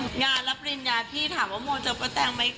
งานรับปริญญาพี่ถามว่าโมเจอป้าแตงไหม